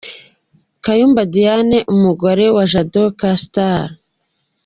Kayumba Diane ,umugore wa Jado Castar.